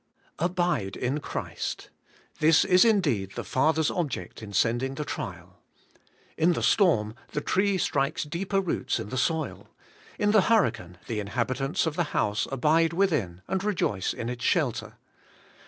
Abide in Christ! This is indeed the Father'' s object in sending the trial. In the storm the tree strikes deeper roots in the soil; in the hurricane the inhabi tants of the house abide within, and rejoice in its shelter.